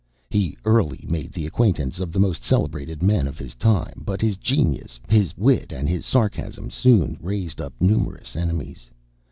He early made the acquaintance of the most celebrated men of his time, but his genius, his wit, and his sarcasm, soon raised up numerous enemies.